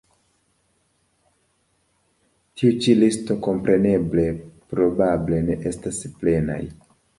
Tiuj ĉi listoj kompreneble probable ne estas plenaj.